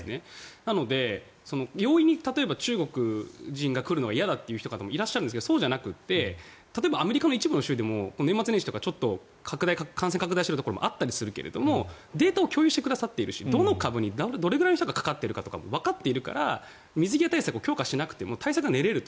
例えば、病院に中国人が来るのが嫌だという方もいますがそうじゃなくて、例えばアメリカの一部の州でも年末年始とか感染拡大しているところもあったりするけれどデータを公表してくれているしどの人がどれくらいかかっているかというのもわかっているから水際対策を強化しなくても対策が練れると。